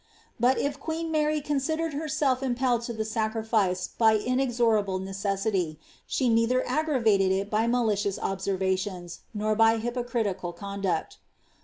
But if queen Mary considered herself impelled to the sacrifice by inexorable necessity, she neither aggravated it by malicious observations nor by hypocritical conduct.